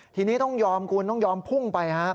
ทีนี้ต้องยอมคุณต้องยอมพุ่งไปฮะ